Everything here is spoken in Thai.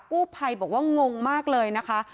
กู้ภัยบอกว่างงมากเลยนะคะ